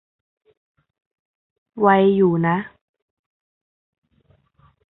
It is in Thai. ไวอยู่นะ